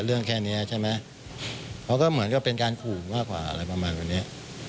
แค่นี้ใช่ไหมเขาก็เหมือนกับเป็นการขู่มากกว่าอะไรประมาณวันนี้